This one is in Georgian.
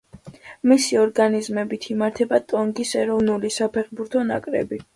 მისი ორგანიზებით იმართება ტონგის ეროვნული საფეხბურთო ნაკრები.